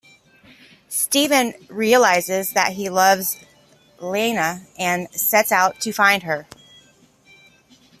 Stefan realises that he loves Ileana and sets out to find her.